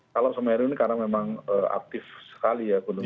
kalau semeru ini karena memang aktif sekali ya gunungnya